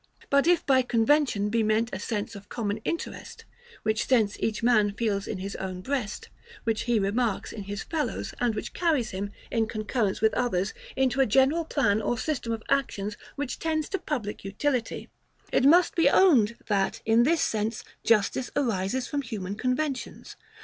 But if by convention be meant a sense of common interest, which sense each man feels in his own breast, which he remarks in his fellows, and which carries him, in concurrence with others, into a general plan or system of actions, which tends to public utility; it must be owned, that, in this sense, justice arises from human conventions.